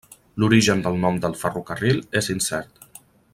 L'origen del nom del ferrocarril és incert.